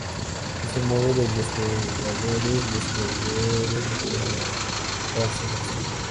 En el modo de dos jugadores, los jugadores no pueden matarse entre sí.